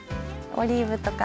オリーブとか。